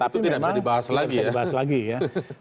itu tidak bisa dibahas lagi ya